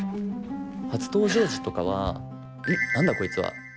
初登場時とかは「うん？何だこいつは。